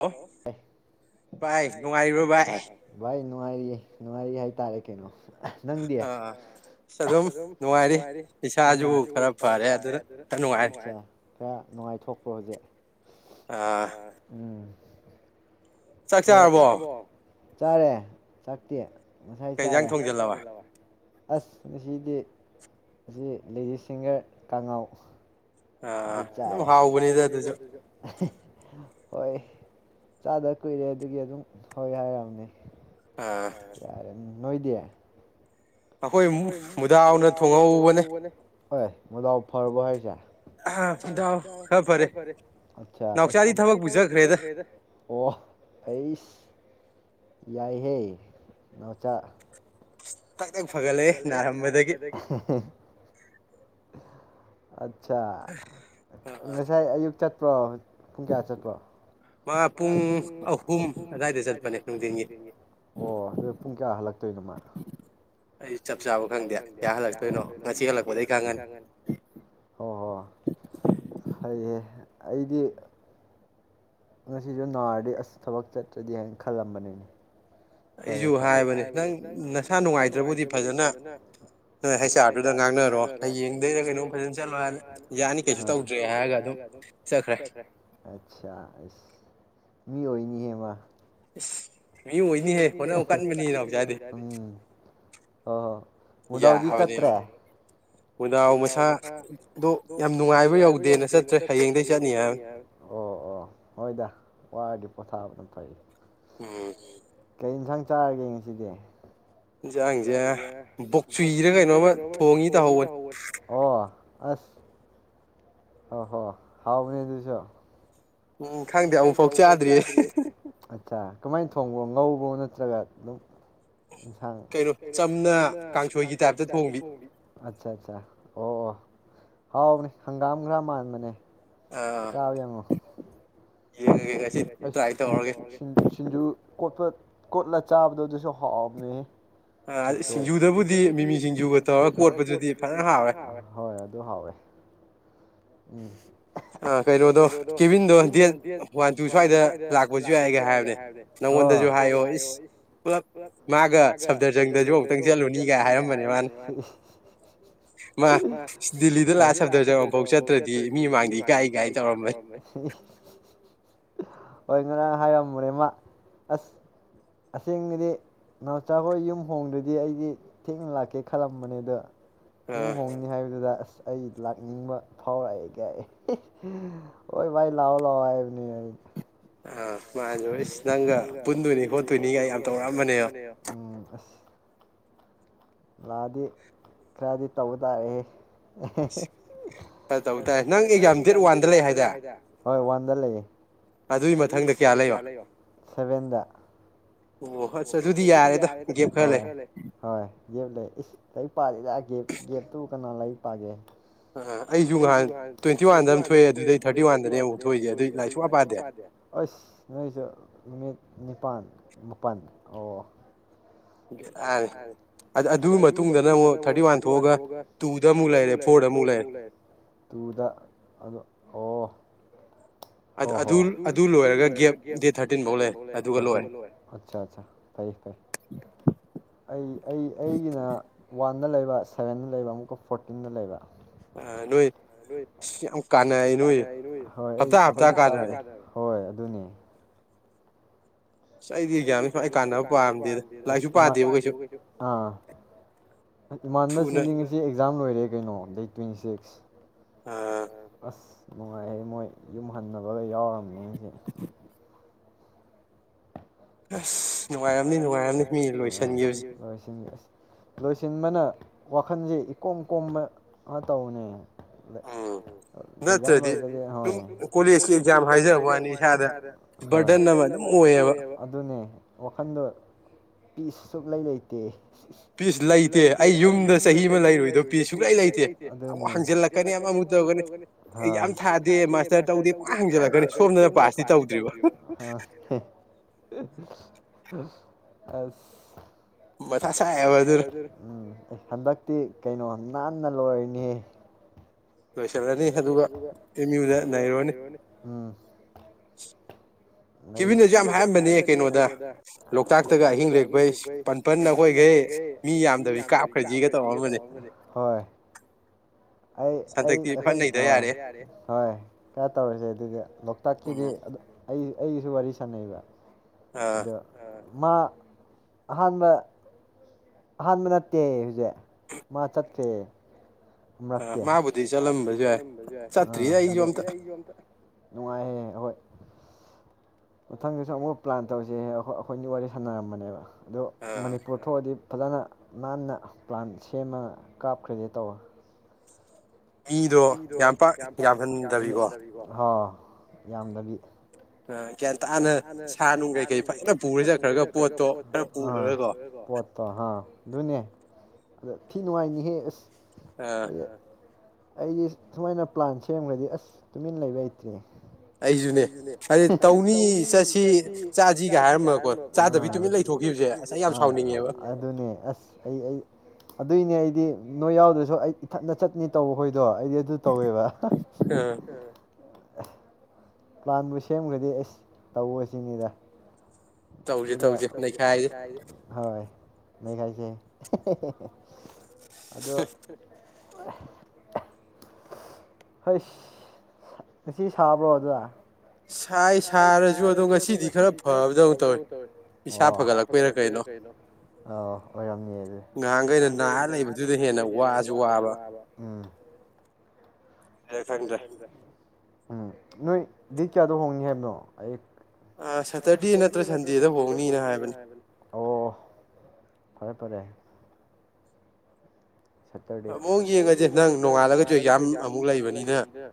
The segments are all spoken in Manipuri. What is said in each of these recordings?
ꯍꯜꯂꯣ ꯚꯥꯏꯉꯥꯏꯔꯤꯕꯣ ꯚꯥꯏ ꯚꯥꯏ ꯅꯨꯡꯉꯥꯏꯔꯤꯌꯦ ꯅꯨꯡꯉꯥꯏꯔꯤ ꯍꯥꯏꯇꯥꯔꯦ ꯀꯩꯅꯣ ꯑ ꯑ ꯑꯗꯨꯝ ꯅꯨꯡꯉꯥꯏꯔꯤ ꯏꯁꯥꯁꯨ ꯈꯔ ꯐꯔꯦ ꯑꯗꯨꯅ ꯈꯔ ꯅꯨꯡꯉꯥꯏꯔꯦ ꯈꯔ ꯅꯨꯡꯉꯥꯏꯊꯣꯛꯄ꯭ꯔꯣ ꯍꯧꯖꯤꯛ ꯆꯥꯛ ꯆꯥꯔꯕꯣ ꯆꯥꯔꯦ ꯆꯥꯛꯇꯤ ꯉꯁꯥꯏ ꯆꯥꯔꯦ ꯀꯩ ꯏꯟꯁꯥꯡ ꯊꯣꯡꯖꯤꯜꯂꯕ ꯑꯁ ꯉꯁꯤꯗꯤ ꯑꯁꯤ ꯂꯦꯗꯤꯁꯐꯤꯡꯒꯔ ꯀꯥꯉꯧ ꯑꯗꯨ ꯆꯥꯔꯦ ꯑꯗꯨꯝ ꯍꯥꯎꯕꯅꯤꯗꯥ ꯑꯗꯨꯁꯨ ꯍꯣꯏ ꯆꯥꯗꯕ ꯀꯨꯏꯔꯦ ꯑꯗꯨꯒꯤ ꯑꯗꯨꯝ ꯍꯣꯏ ꯍꯥꯏꯔꯑꯝꯅꯦ ꯑ ꯌꯥꯔꯥꯅꯤ ꯅꯣꯏꯗꯤ ꯑꯩꯈꯣꯏ ꯃꯨꯗꯥꯎꯅ ꯊꯣꯡꯍꯧꯕꯅꯦ ꯍꯦ ꯃꯨꯗꯥꯎ ꯐꯔꯕ ꯍꯥꯏꯁꯦ ꯃꯨꯗꯥꯎ ꯈꯔ ꯐꯔꯦ ꯅꯥꯎꯆꯥꯗꯤꯊꯕꯛꯄꯨ ꯆꯠꯈ꯭ꯔꯦꯗ ꯑꯣ ꯍꯩꯁ ꯌꯥꯏꯍꯦ ꯅꯥꯎꯆꯥꯥ [inaudible] ꯇꯛꯇꯛ ꯐꯒꯠꯂꯛꯑꯦ ꯅꯥꯔꯝꯕꯗꯒꯤ ꯑ ꯑꯆꯥ ꯉꯁꯥꯏ ꯑꯌꯨꯛ ꯆꯠ ꯄ꯭ꯔꯣ ꯄꯨꯡ ꯀꯌꯥ ꯆꯠꯄ꯭ꯔꯣ ꯃꯥ ꯄꯨꯡ ꯑꯍꯨꯝ ꯑꯗꯨꯋꯥꯏꯗ ꯆꯠꯄꯅꯦ ꯅꯨꯡꯗꯤꯟꯒꯤ ꯑꯣ ꯑꯗꯨ ꯄꯨꯡ ꯀꯌꯥ ꯍꯜꯂꯛꯇꯣꯏꯅꯣ ꯃꯥ ꯑꯩ ꯆꯞ ꯆꯥꯕ ꯈꯪꯗꯦ ꯀꯌꯥ ꯍꯜꯂꯛꯇꯣꯏꯅꯣ ꯉꯁꯤ ꯍꯜꯂꯛꯄꯗꯒꯤ ꯈꯪꯉꯅꯤ ꯍꯣ ꯍꯣ ꯐꯩꯌꯦ ꯑꯩꯗꯤ ꯉꯁꯤꯁꯨ ꯅꯥꯔꯗꯤ ꯑꯁ ꯊꯕꯛ ꯆꯠꯇ꯭ꯔꯗꯤ ꯍꯥꯏꯅ ꯈꯜꯂꯝꯕꯅꯤꯅꯦ ꯐꯔꯦ ꯐꯔꯦ ꯑꯩꯁꯨ ꯍꯥꯏꯕꯅꯦ ꯅꯪ ꯅꯁꯥ ꯅꯨꯡꯉꯥꯏꯇ꯭ꯔꯕꯨꯗꯤ ꯐꯖꯅ ꯍꯩꯁ ꯑꯥꯔꯗꯨꯗ ꯉꯥꯡꯅꯔꯣ ꯍꯌꯦꯡꯗꯩꯔ ꯀꯩꯅꯣꯝ ꯐꯖꯅ ꯆꯠꯂꯣ ꯍꯥꯏꯅ ꯌꯥꯅꯤ ꯀꯩꯁꯨ ꯇꯧꯗ꯭ꯔꯦ ꯍꯥꯏꯔꯒ ꯑꯗꯨꯝ ꯆꯠꯈ꯭ꯔꯦ ꯑꯆꯥ ꯢꯁ ꯃꯤ ꯑꯣꯏꯅꯤꯍꯦ ꯃꯥ ꯢꯁ ꯎꯝ ꯍ ꯍꯣ ꯃꯨꯗꯥꯎꯗꯤ ꯆꯠꯇ꯭ꯔꯦ ꯃꯨꯗꯥꯎ ꯃꯁꯥꯗꯣ ꯌꯥꯝ ꯅꯨꯡꯉꯥꯏꯕ ꯌꯧꯗꯦꯅ ꯆꯠꯇ꯭ꯔꯦ ꯍꯌꯦꯡꯗꯒꯤ ꯆꯠꯅꯤ ꯍꯥꯏꯕ ꯑꯣ ꯑꯣ ꯍꯣꯏꯗ ꯋꯥꯔꯗꯤ ꯄꯣꯊꯥꯕꯅ ꯐꯩ ꯎꯝ ꯏꯟꯖꯥꯡ ꯆꯥꯔꯒꯦ ꯉꯁꯤꯗꯤ ꯏꯟꯁꯥꯡꯁꯦ ꯕꯣꯛꯆꯨꯏꯔ ꯀꯩꯅꯣꯝꯃ ꯊꯣꯡꯅꯤ ꯇꯥꯍꯧꯕꯅꯤ ꯑꯣ ꯑꯁ ꯑꯣꯍꯣ ꯍꯥꯎꯕꯅꯦ ꯑꯗꯨꯁꯨ ꯈꯪꯗꯦ ꯑꯃꯨꯛ ꯐꯥꯎ ꯆꯥꯗ꯭ꯔꯤ ꯑꯆꯥ ꯀꯃꯥꯏ ꯊꯣꯡꯔꯣ ꯉꯧꯕ ꯅꯠꯇ꯭ꯔꯒ ꯑꯗꯨꯝ ꯏꯟꯁꯥꯡ ꯀꯩꯅꯣ ꯆꯝꯅ ꯀꯥꯡꯁꯣꯢꯒꯤ ꯇꯥꯏꯄꯇ ꯊꯣꯡꯕꯤ ꯑꯆꯥ ꯑꯣ ꯑꯣ ꯍꯥꯎꯕꯅꯦ ꯍꯪꯒꯥꯝ ꯈꯔ ꯃꯥꯟꯕꯅꯦ ꯆꯥꯔꯥ ꯌꯥꯉꯣ ꯑꯁ ꯁꯤꯟ ꯁꯤꯟ ꯁꯤꯟꯖꯨ ꯀꯣꯠꯄ ꯀꯣꯠꯂ ꯆꯥꯕꯗꯨ ꯑꯗꯨꯁꯨ ꯍꯥꯎꯕꯅꯦꯍꯦ ꯁꯤꯡꯖꯨꯗꯕꯨꯗꯤ ꯃꯤꯃꯤ ꯁꯤꯡꯖꯨꯒ ꯇꯧꯔꯒ ꯈꯣꯠꯄꯗꯨꯗꯤ ꯐꯖꯅ ꯍꯥꯎꯋꯦ ꯍꯣꯏ ꯑꯗꯨ ꯍꯥꯎꯋꯦ ꯎꯝ ꯑꯥ ꯀꯩꯅꯣꯗꯣ ꯀꯦꯚꯟꯗꯣ ꯗꯦꯠ ꯋꯥꯟ ꯇꯨ ꯁ꯭ꯋꯥꯏꯗ ꯂꯥꯛꯄꯁꯨ ꯌꯥꯏꯒ ꯍꯥꯏꯕꯅꯦ ꯅꯪꯉꯣꯟꯗꯁꯨ ꯍꯥꯏꯌꯣ ꯏꯁ ꯄꯨꯂꯞ ꯃꯥꯒ ꯁ ꯑꯃꯨꯛꯇꯪ ꯆꯠꯂꯨꯅꯤꯒꯥꯏ ꯍꯥꯏꯔꯝꯕꯅꯦ ꯃꯥ ꯗꯦꯜꯂꯤꯗ ꯂꯥꯛꯑ ꯁꯕꯇꯔꯖꯪꯕꯐꯥꯎ ꯆꯠꯇ꯭ꯔꯗꯤ ꯃꯤ ꯀꯥꯏ ꯀꯥꯏ ꯇꯧꯔꯝꯃꯦ ꯍꯣꯌ ꯉꯔꯥꯡ ꯍꯥꯏꯔꯝꯕꯅꯦ ꯃꯥ ꯑꯁ ꯑꯁꯦꯡꯗꯤ ꯅꯥꯎꯆꯈꯣꯏ ꯌꯨꯝ ꯍꯣꯡꯗ꯭ꯔꯗꯤ ꯑꯩꯗꯤ ꯊꯦꯡꯅ ꯂꯥꯛꯀꯦ ꯈꯜꯂꯝꯕꯅꯦ ꯑꯗ ꯌꯨꯝ ꯍꯣꯡꯅꯤ ꯍꯥꯏꯕꯗꯨꯗ ꯑꯁ ꯑꯩ ꯂꯥꯛꯅꯤꯡꯕ ꯐꯥꯎꯔꯛꯑꯦꯒ ꯍꯣꯏ ꯚꯥꯏ ꯂꯥꯛꯑꯣ ꯂꯥꯛꯑꯣ ꯍꯥꯏꯕꯅꯦ ꯑꯩꯅ [unintelligible] ꯅꯪꯒ ꯄꯨꯟꯗꯣꯏꯅꯤ ꯈꯣꯠꯇꯣꯏꯅꯤꯒ ꯌꯥꯝ ꯇꯧꯔꯛꯑꯝꯕꯅꯦꯕ ꯂꯥꯛꯑꯗꯤ ꯈꯔꯗꯤ ꯇꯧꯕ ꯇꯥꯔꯦꯍꯦ ꯇꯧꯕ ꯇꯥꯏ ꯅꯪ ꯑꯦꯛꯖꯥꯝ ꯗꯦ ꯋꯥꯟꯗ ꯂꯩ ꯍꯥꯏ [unintelligible] ꯑꯗꯨꯏ ꯃꯊꯪꯗ ꯀꯌꯥ ꯂꯩ ꯁꯚꯦꯟꯗ ꯑꯗꯨ ꯌꯥꯔꯦ ꯍꫭꯏ ꯒꯦꯞ ꯂꯩ ꯏꯁ ꯂꯥꯏꯔꯤꯛ ꯄꯥꯒꯦꯗꯤ ꯒꯦꯞꯇꯨ ꯀꯅꯥ ꯂꯩ ꯄꯥꯒꯦ ꯑꯩꯁꯨ ꯉꯍꯥꯟ ꯇ꯭ꯋꯦꯟꯇꯤ ꯋꯥꯟꯗ ꯑꯃ ꯊꯣꯛꯑꯦ ꯑꯗꯨꯗꯩ ꯊꯥꯔꯇꯤ ꯋꯥꯟꯗꯅꯤ ꯑꯃꯨꯛ ꯊꯣꯛꯏꯁꯦ ꯑꯗꯨꯏ ꯂꯥꯏꯁꯨꯨꯡ ꯄꯥꯗꯦ ꯑꯁ ꯅꯣꯏꯁꯨ ꯅꯨꯃꯤꯠ ꯅꯤꯄꯥꯜ [inaudible] [unintelligible] ꯍꯥꯏ ꯑꯗꯨꯒꯤ ꯃꯇꯨꯡꯗꯅ ꯑꯃꯨꯛ ꯊꯥꯔꯇꯤ ꯋꯥꯟ ꯊꯣꯛꯑꯒ ꯇꯨꯗ ꯑꯃꯨꯛ ꯂꯩꯔꯦ ꯐꯣꯔꯗ ꯑꯃꯨꯛ ꯂꯩꯔꯦ ꯇꯨꯗ ꯑꯣ ꯍꯣꯏ ꯑꯗꯨ ꯑꯗꯨ ꯂꯣꯏꯔꯒꯦ ꯗꯦꯠ ꯊꯥꯔꯇꯤꯟ ꯐꯥꯎ ꯂꯩꯔꯦ ꯑꯆꯥ ꯑꯆꯥ ꯐꯩ ꯐꯩ ꯑꯩ ꯑꯩ ꯑꯩꯒꯤꯅ ꯋꯥꯟꯗ ꯂꯩꯕ ꯁꯕꯦꯟꯗ ꯂꯩꯕ ꯑꯃꯨꯛꯀ ꯐꯣꯔꯇꯤꯟꯗ ꯂꯩꯕ [unintelligible] [unintelligible] ꯑꯗꯨꯅꯤ ꯏꯃꯅꯕꯁꯤꯡꯗꯤ ꯉꯁꯤ ꯑꯦꯛꯖꯥꯝ ꯂꯣꯏꯔꯦ ꯀꯩꯅꯣ ꯗ ꯇ꯭ꯋꯦꯟꯇꯤꯁ ꯑꯁ ꯅꯨꯡꯉꯥꯏꯍꯩ ꯃꯣꯏ ꯌꯨꯝ ꯍꯟꯅꯕꯒ ꯌꯥꯎꯔꯝꯃꯤ [inaudible] ꯑꯁ ꯅꯨꯡꯉꯥꯏꯔꯝꯅꯤ ꯅꯨꯡꯉꯥꯏꯔꯝꯅꯤ ꯃꯤ ꯂꯣꯏꯁꯤꯟꯈꯤꯕꯖꯤ ꯂꯣꯏꯁꯤꯟꯕꯅ ꯋꯥꯈꯜꯁꯦ ꯏꯀꯣꯝ ꯀꯣꯝꯕ ꯇꯧꯅꯦ ꯀꯣꯂꯦꯖꯀꯤ ꯑꯦꯛꯖꯥꯝ ꯍꯥꯏꯖꯕ ꯋꯥꯅꯤ ꯏꯁꯥꯗ ꯕꯥꯔꯗꯟ ꯑꯃ ꯑꯗꯨꯝ ꯑꯣꯏꯌꯦꯕ ꯅꯦ ꯋꯥꯈꯟꯗꯣ ꯄꯤꯁ ꯁꯨꯛ ꯂꯩ ꯂꯩꯇꯦ ꯄꯤꯁ ꯂꯩꯇꯦ ꯑꯩ ꯌꯨꯝꯗ ꯆꯍꯤ ꯑꯃ ꯂꯩꯔꯣꯏꯗꯕ ꯄꯤꯁ ꯁꯨꯂꯩ ꯂꯩꯇꯦ ꯍꯥꯡꯖꯜꯂꯛꯀꯅꯤ ꯌꯥꯝ ꯑꯃꯨꯛ ꯇꯧꯒꯅꯤ ꯌꯥꯝ ꯊꯥꯗꯦ ꯃꯥꯁꯇꯔ ꯇꯧꯗꯦ ꯄꯨ ꯍꯥꯡꯖꯜꯂꯛꯀꯅꯤ ꯁꯣꯝꯗꯅ ꯄꯥꯁꯇꯤ ꯇꯧꯗ꯭ꯔꯤꯕ ꯑꯁ ꯃꯊꯥ ꯁꯥꯏꯕ ꯍꯟꯗꯛ ꯀꯩꯩꯅꯣ ꯅꯥꯟꯅ ꯂꯣꯏꯔꯤꯅꯤꯍꯦ ꯂꯣꯢꯁꯟꯂꯅꯤ ꯑꯗꯨꯒ ꯑꯦꯝꯌꯨꯗ ꯅꯩꯔꯨꯔꯅꯤ ꯅꯩ ꯀꯦꯚꯤꯟꯅꯁꯨ ꯌꯥꯝ ꯍꯥꯢꯔꯝ ꯍꯥꯢꯔꯝꯕꯅꯦ ꯀꯩꯅꯣꯗ ꯂꯣꯛꯇꯥꯛꯇꯒ ꯑꯍꯤꯡꯒ ꯑꯍꯤꯡ ꯂꯦꯛꯄꯩ ꯄꯟꯄꯟ ꯑꯩꯈꯣꯏꯈꯩ ꯃꯤ ꯌꯥꯝꯗꯕꯤ ꯀꯥꯞꯈ꯭ꯔꯁꯤꯒ ꯇꯧꯔꯛꯑꯝꯕꯅꯦ ꯍꯣꯏ ꯑꯩ ꯑꯩ ꯑꯩ ꯍꯣꯏ ꯍꯣꯢ ꯈꯔ ꯇꯧꯔꯁꯦ ꯑꯗꯨꯗꯤ ꯂꯣꯛꯇꯥꯛꯀꯤꯗꯤ ꯑꯗꯨ ꯑꯩ ꯑꯩꯁꯨ ꯋꯥꯔꯤ ꯁꯥꯟꯅꯩꯕ ꯑꯗꯣ ꯃꯥ ꯑꯍꯥꯟꯕ ꯑꯍꯥꯟꯕ ꯅꯠꯇꯦ ꯍꯧꯖꯤꯛ ꯃꯥ ꯆꯠꯇꯈ꯭ꯔꯦ [unintelligible] ꯃꯥꯕꯨꯗꯤ ꯆꯠꯂꯝꯕꯁꯨ ꯌꯥꯢ ꯆꯠꯇꯔ꯭ꯤꯗ ꯑꯩꯁꯨ ꯑꯝꯇꯥ ꯅꯨꯡꯉꯥꯏꯍꯥꯢꯌꯦ ꯑꯍꯣꯏ ꯃꯊꯪꯗꯁꯨ ꯑꯃꯨꯛ ꯄ꯭ꯂꯥꯟ ꯇꯧꯁꯦ ꯑꯩꯈꯣꯏ ꯑꯩꯈꯣꯢꯅꯤ ꯋꯥꯔꯤ ꯁꯥꯟꯅꯔꯝꯕꯅꯦꯕ ꯑꯗꯣ ꯃꯅꯤꯄꯨꯔ ꯊꯣꯛꯑꯗꯤ ꯐꯖꯅ ꯅꯥꯟꯅ ꯄ꯭ꯂꯥꯟ ꯁꯦꯝꯃꯒ ꯀꯥꯞꯈ꯭ꯔꯦꯁꯦ ꯇꯧꯕꯥ ꯃꯤꯗꯣ ꯌꯥꯝꯄꯥꯛ ꯌꯥꯝꯍꯟꯗꯕꯤꯀꯣ ꯍꯣ ꯌꯥꯝꯗꯕꯤ ꯒ꯭ꯌꯥꯟ ꯇꯥꯅ ꯁꯥ ꯅꯨꯡ ꯀꯩꯀꯩ ꯐꯖꯅ ꯄꯨꯔ ꯆꯠꯈ꯭ꯔꯒ ꯄꯣꯠꯇꯣ ꯑꯥ ꯄꯣꯠꯇꯣ ꯍꯥ ꯑꯗꯨꯅꯦ ꯑꯗꯨ ꯊꯤ ꯅꯨꯡꯉꯥꯏꯅꯤꯍꯦ ꯑꯁ ꯑꯥ ꯑꯩꯗꯤ ꯁꯨꯃꯥꯏꯅ ꯄ꯭ꯂꯥꯟ ꯁꯦꯝꯒꯗꯤ ꯑꯁ ꯇꯨꯃꯤꯟ ꯂꯩꯕ ꯍꯩꯇ꯭ꯔꯦ ꯑꯩꯁꯨꯅꯦ ꯍꯥꯢꯗꯤ ꯇꯧꯅꯤ ꯆꯠꯁꯤ ꯆꯥꯁꯤꯒ ꯍꯥꯏꯔꯝꯃꯒꯀꯣ ꯆꯥꯗꯕꯤ ꯇꯨꯃꯤꯟ ꯂꯩꯊꯣꯛꯈꯤꯕꯁꯦ ꯁꯤ ꯌꯥꯝ ꯁꯥꯎꯅꯤꯡꯉꯦꯕ ꯑ ꯑꯗꯨꯅꯦ ꯑꯁ ꯑꯩ ꯑꯩ ꯑꯗꯨꯏꯅꯦ ꯑꯩ ꯗꯤ ꯅꯣꯏ ꯌꯥꯎꯗ꯭ꯔꯁꯨ ꯑꯩ ꯏꯊꯠꯅ ꯆꯠꯅꯤ ꯇꯧ ꯍꯣꯏ ꯗꯣ ꯑꯩꯗꯤ ꯑꯗꯨ ꯇꯧꯋꯦꯕ [inaudible] ꯄ꯭ꯂꯥꯟꯕꯨ ꯁꯦꯝꯈꯒ꯭ꯔꯗꯤ ꯑꯩꯁ ꯇꯧꯋꯣꯁꯤꯅꯦꯗ ꯇꯧꯖꯦ ꯇꯧꯖꯦ ꯅꯩꯈꯥꯢꯖꯦ ꯍꯣꯢ ꯅꯩꯈꯥꯏꯁꯦ ꯑꯗꯣ ꯍꯣꯏꯁ ꯉꯁꯤ ꯁꯥꯕ꯭ꯔꯣ ꯑꯗꯨꯗ ꯁꯥꯏ ꯁꯥꯔꯁꯨ ꯑꯗꯣ ꯉꯁꯤꯗꯤ ꯈꯔ ꯐꯗꯧ ꯇꯧꯋꯦ ꯐꯒꯠꯂꯛꯄꯩꯔꯥ ꯀꯩꯅꯣ ꯑꯣꯏꯔꯝ ꯉꯍꯥꯟꯈꯩꯅ ꯅꯍꯥ ꯂꯩꯕꯗꯨꯗ ꯍꯦꯟꯅ ꯋꯥꯁꯨ ꯋꯥꯕ ꯑꯦ ꯈꯪꯗ꯭ꯔꯦ ꯎꯝ ꯅꯣꯏ ꯗꯦꯠ ꯀꯌꯥꯗꯣ ꯍꯣꯡꯅꯤ ꯍꯥꯏꯕꯅꯣ ꯑꯩ ꯁꯦꯇꯔꯗꯦ ꯅꯠꯇ꯭ꯔ ꯁꯟꯗꯦꯗ ꯍꯣꯡꯅꯤꯅ ꯍꯥꯏꯕꯅꯦ ꯑꯣ ꯐꯔꯦ ꯐꯔꯦ ꯁꯇꯔꯗꯦ ꯃꯋꯣꯡ ꯌꯦꯡꯉꯁꯦ ꯅꯪ ꯅꯣꯡꯉꯥꯜꯂꯒꯁꯨ ꯑꯦꯛꯖꯥꯝ ꯑꯃꯨꯛ ꯂꯩꯕꯅꯤꯅ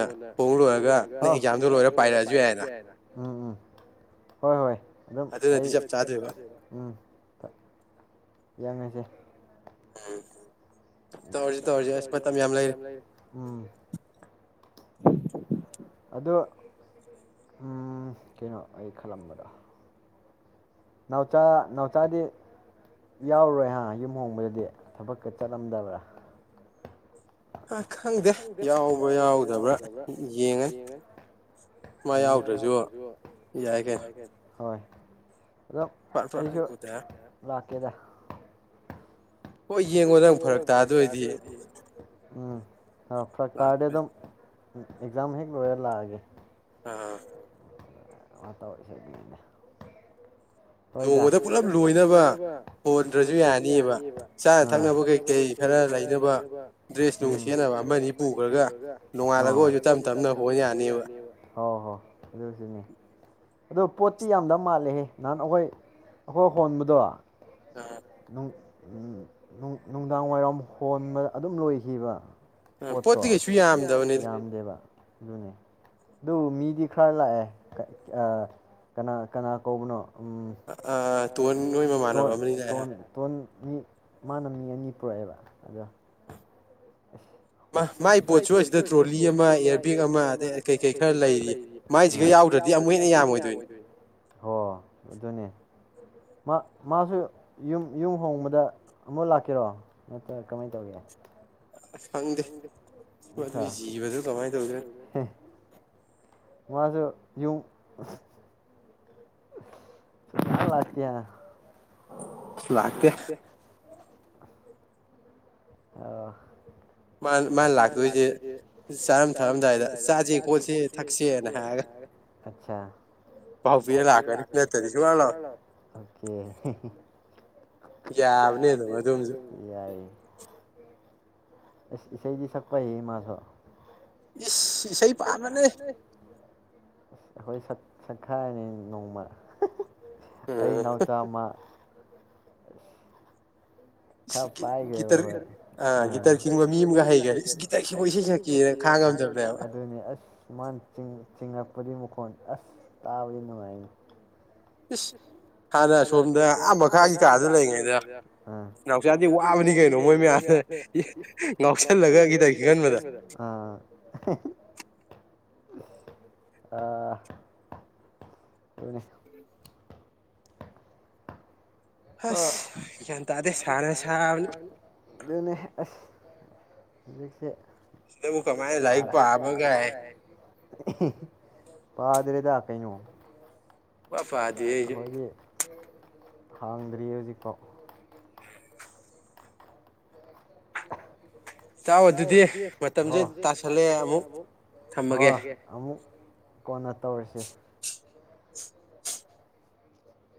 ꯀꯣꯟꯅ ꯍꯣꯡ ꯂꯣꯏꯔꯒ ꯅꯪ ꯑꯦꯛꯖꯥꯝꯗꯣ ꯂꯣꯏꯔ ꯄꯥꯏꯔꯛꯑꯁꯨ ꯌꯥꯏꯅ ꯍꯣꯏ ꯍꯣꯏ ꯑꯗꯨꯝ ꯑꯩ ꯎꯝ ꯌꯥꯅꯁꯦ ꯎꯝ ꯇꯧꯔꯖ ꯇꯧꯔꯖ ꯑꯁꯄ ꯃꯇꯝ ꯌꯥꯝ ꯂꯩꯔ ꯑꯣ ꯀꯩꯅꯣ ꯑꯩ ꯈꯜꯂꯝꯕꯗꯣ ꯅꯥꯎꯆꯥ ꯅꯥꯎꯆꯥꯗꯤ ꯌꯥꯎꯔꯣꯏꯍꯥ ꯌꯨꯝ ꯍꯣꯡꯕꯗꯗꯤ ꯊꯕꯛꯀ ꯆꯠꯂꯝꯗꯕ꯭ꯔꯥ ꯈꯪꯗꯦ ꯌꯥꯎꯕ꯭ꯔ ꯌꯥꯎꯗꯕ꯭ꯔꯥ ꯌꯦꯡꯉꯦ ꯌꯥꯎꯗ꯭ꯔꯁꯨ ꯑꯗꯨꯥꯏꯩꯅꯣ ꯍ ꯑꯝ ꯑꯩꯁꯨ ꯂꯥꯛꯀꯦꯗ ꯍꯣꯏ ꯌꯦꯡꯉꯣꯗꯪ ꯐꯔꯛ ꯇꯥ ꯑꯗꯨ ꯑꯣꯏꯗꯤ ꯑ ꯐ꯭ꯔꯇꯥꯥꯔꯗ ꯑꯗꯨꯝ ꯑꯦꯛꯖꯥꯝ ꯍꯦꯛ ꯂꯣꯏꯔ ꯂꯥꯛꯑꯒꯦ ꯑꯥ ꯑ ꯇꯁꯦꯦ ꯣꯡꯕꯗ ꯄꯨꯂꯞ ꯂꯣꯏꯗꯕ ꯍꯣꯟꯗ꯭ꯔꯁꯨ ꯌꯥꯅꯤꯕ ꯆꯥꯅ ꯊꯛꯅꯕ ꯀꯩꯀꯩ ꯈꯔ ꯂꯩꯅꯕ ꯁꯤꯖꯤꯟꯅꯕ ꯑꯃꯅꯤ ꯄꯨꯈ꯭ꯔꯒꯜꯒꯞꯞ ꯍ ꯌꯥꯅꯤꯕ ꯑꯗꯨ ꯑꯗꯣ ꯄꯣꯠꯇꯤ ꯌꯥꯝꯗ ꯃꯥꯜꯂꯦꯍꯦ ꯅꯍꯥꯟ ꯑꯩꯈꯣꯏ ꯍꯈꯣꯏ ꯍꯣꯟꯕꯗꯣ ꯅꯣꯡ ꯅꯨꯡꯗꯥꯡ ꯋꯥꯏꯔꯝ ꯍꯣꯟꯕꯗ ꯑꯗꯨꯝ ꯂꯣꯏꯈꯤꯕ ꯄꯣꯠꯇꯣ ꯌꯥꯝꯝꯗꯦꯕ ꯑꯗꯨꯅꯦ ꯑꯗꯨ ꯃꯤꯗꯤ ꯈꯔ ꯂꯥꯛꯑꯦ ꯀꯅꯥ ꯀꯅꯥ ꯀꯧꯕꯅꯣ ꯇꯣꯟ ꯅꯣꯏ ꯃꯃꯥꯟꯅꯕ ꯑꯃꯅꯤ ꯂꯥꯛꯑꯦ ꯍꯥꯏ ꯃꯤ ꯃꯥꯅ ꯃꯤ ꯑꯅꯤ ꯄꯨꯔꯛꯑꯦꯕ ꯑꯗꯣ ꯑꯁ ꯃꯥꯏ ꯄꯣꯠꯁꯨꯁꯤꯗ ꯇ꯭ꯔꯣꯂꯤ ꯑꯃ ꯏꯌꯥꯔꯕꯦꯛ ꯑꯃ ꯑꯗꯩ ꯀꯩꯀꯩ ꯈꯔ ꯂꯩꯔꯤ ꯃꯥꯏꯁꯤꯒ ꯌꯥꯎꯗ꯭ꯔꯗꯤ ꯑꯃꯨꯛ ꯍꯦꯟꯅ ꯌꯥꯝꯃꯣꯏꯗꯣꯏ ꯑꯣ ꯑꯗꯨꯅꯦ ꯃꯥ ꯃꯥꯁꯨ ꯌꯨꯝ ꯌꯨꯝ ꯍꯣꯡꯕꯗ ꯑꯃꯨꯛ ꯂꯥꯛꯀꯦꯔꯣ ꯅꯠꯇ꯭ꯔꯒ ꯀꯃꯥꯏꯅ ꯇꯧꯒꯦ ꯑꯁ ꯈꯪꯗꯦ ꯃꯗꯨ ꯖꯤꯕꯗꯣ ꯀꯃꯥꯏꯅ ꯇꯧꯗꯣꯏꯅꯣ ꯃꯁ ꯌꯨꯝ ꯖꯒ ꯂꯥꯛꯇ ꯑ ꯂꯀꯦ ꯑ ꯃꯥꯅ ꯂꯥꯛꯇꯣꯏꯁꯦ ꯆꯥꯔꯝ ꯊꯛꯔꯝꯗꯥꯏꯗ ꯆꯥꯁꯤ ꯈꯣꯠꯁꯤ ꯊꯛꯁꯦꯅ ꯍꯥꯏꯔꯒꯦ ꯄꯥꯎꯕꯤ ꯂꯥꯛꯅꯤ ꯅꯠꯇ ꯂ ꯌꯥꯕꯗꯤ ꯑꯗꯨ ꯑꯗꯨꯉꯤꯏ ꯁꯗꯤ ꯁꯛꯄ ꯍ ꯃꯥꯁ ꯏꯁꯩ ꯄꯥꯝꯝꯕꯅꯦ ꯑ ꯑꯩꯈꯣꯏ ꯁꯛꯈꯥꯏꯔꯅꯤ ꯅꯣꯡꯃ ꯑꯩ ꯅꯥꯎꯆꯥ ꯑꯃ ꯈ ꯄꯥꯏꯒ ꯍꯥꯏ ꯑꯗꯨ ꯑꯁ ꯃꯥ ꯆꯤꯡ ꯗꯤꯃꯣꯟ ꯑꯁ ꯇꯥꯕ ꯅꯨꯡꯉꯥꯏ ꯍꯥꯟꯅꯁꯣꯝꯗ ꯑꯥ ꯃꯈꯥꯒꯤ ꯇꯥꯗ ꯂꯩꯔꯤꯉꯩꯗ ꯅꯥꯎꯆꯥꯗꯤ ꯋꯥꯕꯅꯤ ꯀꯩꯅꯣ ꯃꯣꯏ ꯃꯌꯥꯝꯁꯦ ꯉꯥꯎꯁꯜꯂꯒ ꯈꯤꯇꯪ ꯈꯪꯍꯟꯕꯗ ꯑꯥ ꯍꯅꯤ ꯍ ꯁꯗꯤ ꯁ ꯁ ꯑꯗꯨ ꯍꯧꯁꯦ ꯁꯤꯕꯨ ꯀꯃꯥꯏ ꯂꯏ ꯄꯕ ꯀꯥꯏ ꯄꯥꯗꯔꯦꯗ ꯀꯩꯅ ꯍꯥꯏꯦ ꯍꯥꯡꯗ꯭ꯔꯤ ꯍꯧꯖꯤꯛꯀꯥꯎ ꯆꯥꯗꯤꯂꯦꯦ ꯀꯣꯟꯅ ꯇꯧꯔꯤꯁꯤ